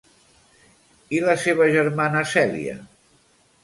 I la seva germana Cèlia?